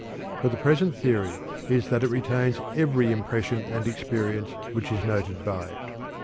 But the present theory is that it retains every impression and experience which is noted by it.